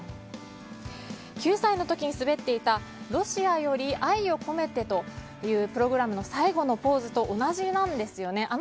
９歳の時に滑っていた「ロシアより愛を込めて」というプログラムの最後のポーズと同じなんですよね。